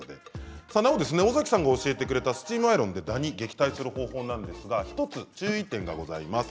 尾崎さんが教えてくれたスチームアイロンでダニを撃退する方法ですが１つ注意点がございます。